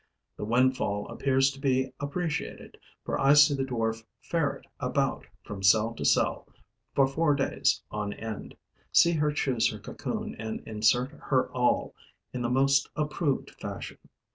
The windfall appears to be appreciated, for I see the dwarf ferret about from cell to cell for four days on end, see her choose her cocoon and insert her awl in the most approved fashion.